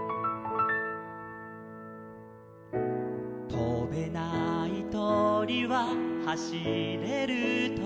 「とべないとりははしれるとり」